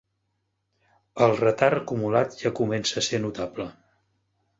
El retard acumulat ja comença a ser notable.